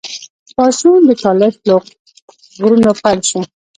پاڅون د طالش له غرونو پیل شو.